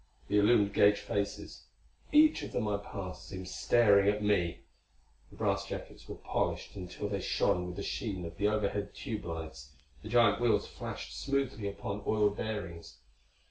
The illumined gauge faces each of them I passed seemed staring at me. The brass jackets were polished until they shone with the sheen of the overhead tube lights; the giant wheels flashed smoothly upon oiled bearings.